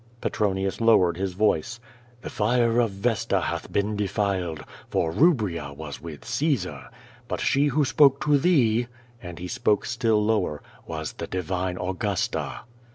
Petronius lowered his voice. "The fire of Vesta hath been defiled, for Ttubria was with Caesar. lUit she who s])oke to thee," and he 8]K)kc still lower, "was the divine Augusta.'